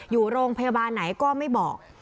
อยู่โรงพยาบาลไหนก็ไม่บอก